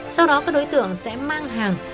sau đó các đối tượng sẽ mang hàng